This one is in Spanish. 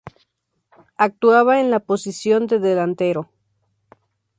Actuaba en la posición de delantero.